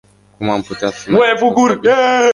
Cum am putea fi mai responsabili?